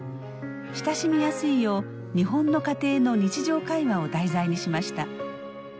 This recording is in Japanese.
親しみやすいよう日本の家庭の日常会話を題材にしました。